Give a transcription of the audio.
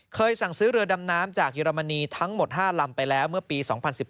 สั่งซื้อเรือดำน้ำจากเยอรมนีทั้งหมด๕ลำไปแล้วเมื่อปี๒๐๑๙